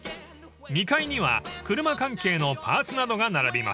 ［２階には車関係のパーツなどが並びます］